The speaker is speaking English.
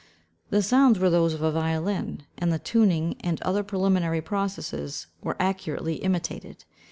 The sounds were those of a violin, and the tuning and other preliminary processes were accurately imitated.